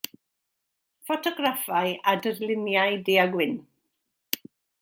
Ffotograffau a darluniau du-a-gwyn.